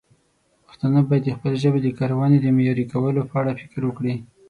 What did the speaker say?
پښتانه باید د خپلې ژبې د کارونې د معیاري کولو په اړه فکر وکړي.